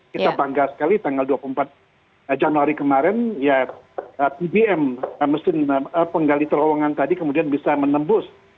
kita bangga sekali tanggal dua puluh empat januari kemarin ya tbm mesin penggali terowongan tadi kemudian bisa menembus